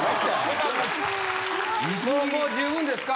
もう十分ですか？